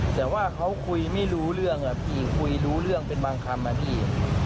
แต่ว่าเขาคุยไม่รู้เรื่องพี่คุยรู้เรื่องเป็นบางคำนะพี่